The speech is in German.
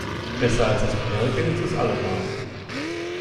Besser als das vorherige ist es allemal.